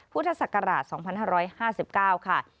พุทธศักราช๒๕๕๙ค่ะ